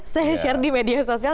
saya share di media sosial